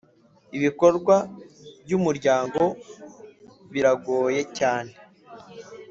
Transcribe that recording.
ibikorwa by ‘Umuryango biragoye cyane.